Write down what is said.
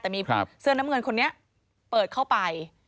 แต่มีเสื้อน้ำเงินคนนี้เปิดเข้าไป